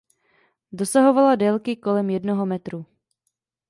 Dosahovala délky kolem jednoho metru.